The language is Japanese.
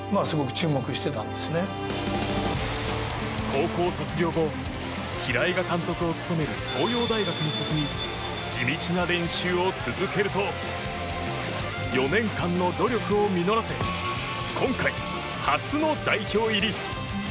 高校卒業後平井が監督を務める東洋大学に進み地道な練習を続けると４年間の努力を実らせ今回、初の代表入り。